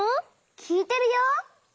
きいてるよ。